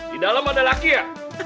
di dalam ada laki laki